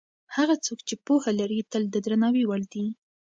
هغه څوک چې پوهه لري تل د درناوي وړ دی.